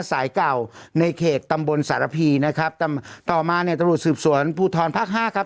สายเก่าในเขตตำบลสารพีนะครับต่อมาเนี่ยตำรวจสืบสวนภูทรภาคห้าครับ